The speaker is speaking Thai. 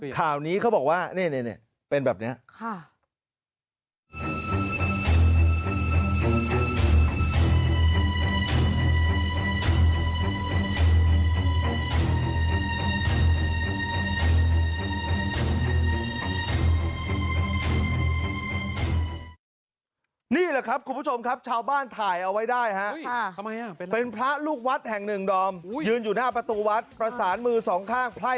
ข่าวนี้เขาบอกว่านี่เป็นแบบนี้